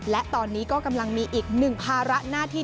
และตอนนี้ก็กำลังมีอีกหนึ่งภาระหน้าที่